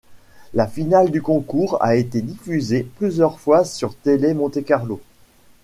La finale du concours a été diffusée plusieurs fois sur Télé Monte-Carlo.